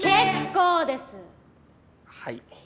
はい。